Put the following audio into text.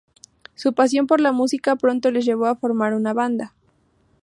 Su pasión por la música pronto les llevó a formar una banda.